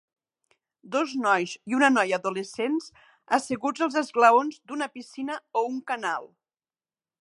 Dos nois i una noia adolescents asseguts als esglaons d'una piscina o un canal.